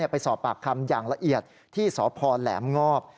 ไปสอบปากคำอย่างละเอียดที่สพแหลมงอบ